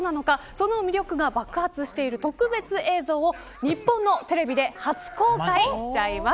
その魅力が爆発している特別映像を日本のテレビで初公開します。